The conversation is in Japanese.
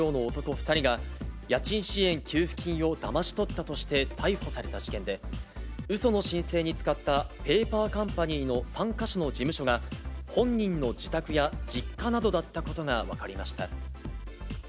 ２人が、家賃支援給付金をだまし取ったとして逮捕された事件で、うその申請に使ったペーパーカンパニーの３か所の事務所が、本人の自宅や実家などだったことが分かりました。